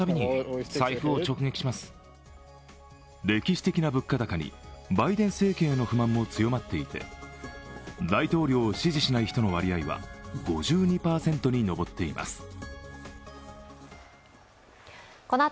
歴史的な物価高にバイデン政権への不満も強まっていて大統領を支持しない人の割合は５２％に上っています。